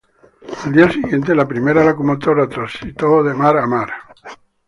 Al día siguiente la primera locomotora transitó de mar a mar.